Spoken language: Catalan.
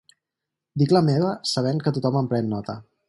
Dic la meva sabent que tothom en pren nota.